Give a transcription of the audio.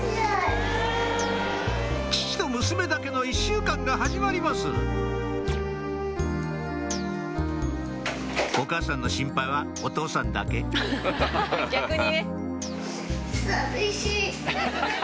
父と娘だけの１週間が始まりますお母さんの心配はお父さんだけハハハ。